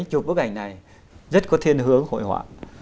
chụp bức ảnh này rất có thiên hướng hội họa